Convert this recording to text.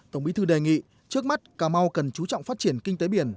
tổng bí thư đề nghị trước mắt cà mau cần chú trọng phát triển kinh tế biển